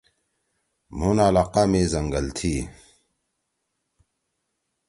مُھن علاقہ می زنگل تھی۔